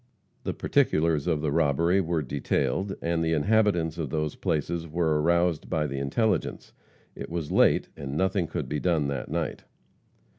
The particulars of the robbery were detailed, and the inhabitants of those places were aroused by the intelligence. It was late and nothing could be done that night.